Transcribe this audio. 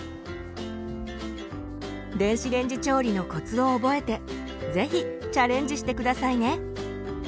電子レンジ調理のコツを覚えて是非チャレンジして下さいね。